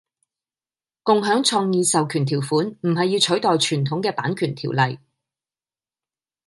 共享創意授權條款唔係要取代傳統嘅版權條例